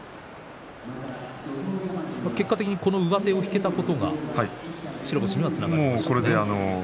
結果的にこの上手を引けたことが白星にはつながりましたね。